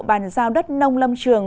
bàn giao đất nông lâm trường